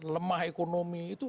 lemah ekonomi itu